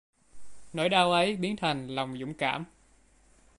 Nỗi đau ấy biến thành lòng dũng cảm